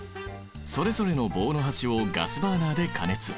それぞれの棒の端をガスバーナーで加熱。